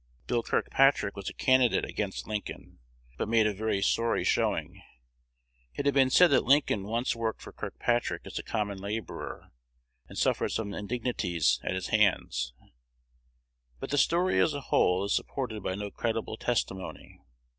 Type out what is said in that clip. Bill Kirkpatrick was a candidate against Lincoln, but made a very sorry showing. It has been said that Lincoln once worked for Kirkpatrick as a common laborer, and suffered some indignities at his hands; but the story as a whole is supported by no credible testimony.